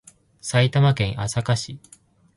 埼玉県朝霞市